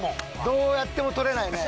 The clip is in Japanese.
どうやっても取れないね。